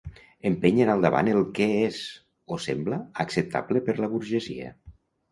Empenyen al davant el què és, o sembla, acceptable per la burgesia.